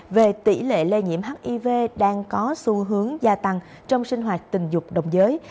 về tỷ lệ lây nhiễm hiv đang có xu hướng gia tăng trong sinh hoạt tình dục đồng giới